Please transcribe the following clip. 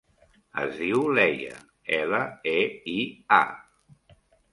Es diu Leia: ela, e, i, a.